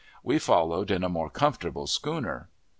We followed in a more comfortable schooner.